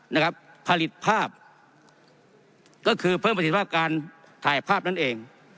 นะครับผลิตภาพก็คือเพิ่มประสิทธิภาพการถ่ายภาพนั่นเอง